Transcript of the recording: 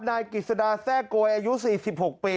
นายกิจสดาแทรกโกยอายุ๔๖ปี